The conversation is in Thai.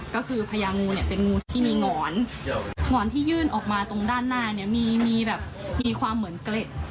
ก็คือพญางูเนี่ยเป็นงูที่มีหงอนหงอนที่ยื่นออกมาตรงด้านหน้าเนี่ยมีแบบมีความเหมือนเกล็ด